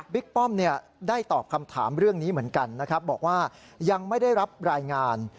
ป้อมได้ตอบคำถามเรื่องนี้เหมือนกันนะครับบอกว่ายังไม่ได้รับรายงาน